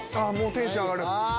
テンション上がる！